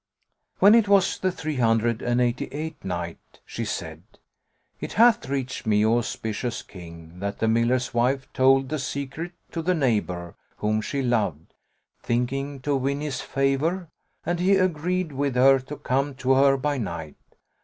When it was the Three hundred and Eighty eighth Night She said, It hath reached me, O auspicious King, that the miller's wife told the secret to the neighbour whom she loved, thinking to win his favour; and he agreed with her to come to her by night.